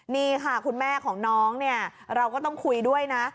นี่ค่ะคุณแม่ของน้องเนี่ยเราก็ต้องคุยด้วยนะ